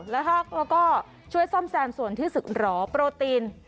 แล้วก็ช่วยซ่อมแซมส่วนที่ศึกหรอโปรตีน